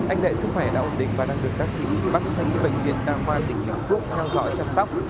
anh đệ sức khỏe đã ổn định và đang được ca sĩ bắt sánh với bệnh viện đao khoa tỉnh bình phước theo dõi chăm sóc